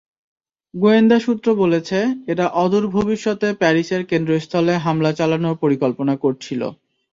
গোয়েন্দা সূত্র বলেছে, এরা অদূর ভবিষ্যতে প্যারিসের কেন্দ্রস্থলে হামলা চালানোর পরিকল্পনা করছিল।